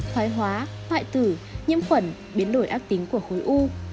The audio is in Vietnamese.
thoái hóa hoại tử nhiễm khuẩn biến đổi ác tính của khối u